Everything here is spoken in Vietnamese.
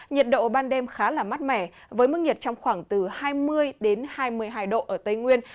nhiệt độ ban đêm khá là mát mẻ với mức nhiệt trong khoảng từ hai mươi hai mươi hai độ ở tây nguyên